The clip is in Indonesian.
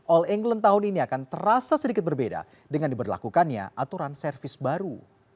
all england tahun ini akan terasa sedikit berbeda dengan diberlakukannya aturan servis baru